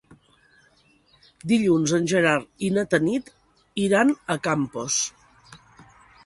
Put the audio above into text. Dilluns en Gerard i na Tanit iran a Campos.